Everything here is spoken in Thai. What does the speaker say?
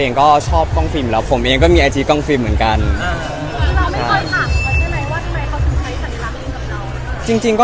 น่าจะเป็นเพราะผมหูกลางไม่รู้เหมือนกันครับ